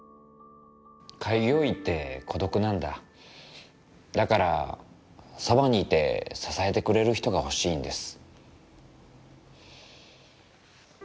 開業医って孤独なんだだからそばにいて支えてくれる人が欲しいんです